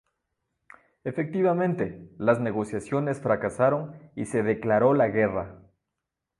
Efectivamente, las negociaciones fracasaron y se declaró la guerra.